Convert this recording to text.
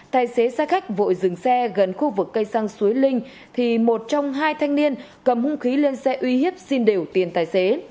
tài xế xe khách vội dừng xe gần khu vực cây xăng suối linh thì một trong hai thanh niên cầm hung khí lên xe uy hiếp xin đều tiền tài xế